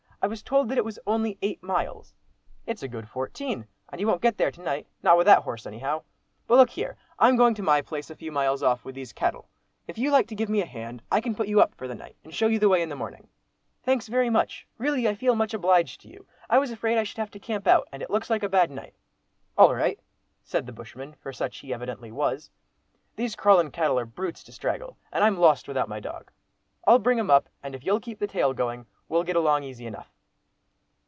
I was told that it was only eight miles." "It's a good fourteen, and you won't get there to night. Not with that horse, anyhow. But look here! I'm going to my place, a few miles off, with these cattle—if you like to give me a hand, I can put you up for the night, and show you the way in the morning." "Thanks very much, really I feel much obliged to you. I was afraid I should have had to camp out, and it looks like a bad night." "All right," said the bushman, for such he evidently was; "these crawlin' cattle are brutes to straggle, and I'm lost without my dog. I'll bring 'em up, and if you'll keep the tail going, we'll get along easy enough."